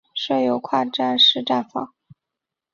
设有跨站式站房。